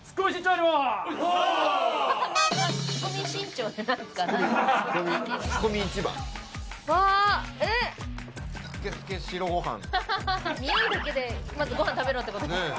ニオイだけでまずごはん食べろってことですか？